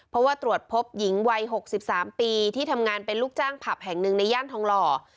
เพราะว่าตรวจพบหญิงวัย๖๓ปีที่ทำงานเป็นลูกจ้างผับแห่งหนึ่งในย่านทองหล่อ